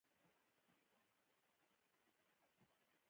خان زمان وپوښتل، او باران به کوم توپیر رامنځته نه کړي؟